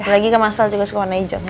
apalagi kemasel juga suka warna hijau